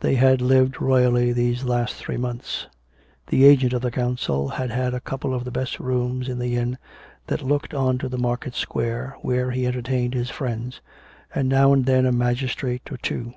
They had lived royally these last three months. The agent of the Council had had a couple of the best rooms in the inn that looked on to the market square, where he entertained his friends, and now and then a magistrate or two.